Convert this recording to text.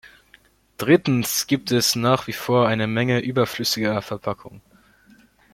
Drittens gibt es nach wie vor eine Menge überflüssiger Verpackungen.